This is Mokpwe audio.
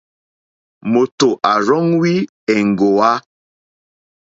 Mòtò à rzóŋwí èŋɡòwá.